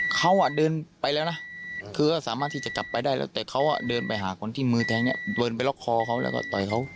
เขาอ่ะเดินไปหาคนที่มือแทงเนี่ยเดินไปล็อกคอร์เขาแล้วก็ต่อยเขา